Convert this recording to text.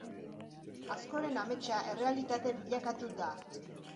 Askoren ametsa errealitate bilakatu da.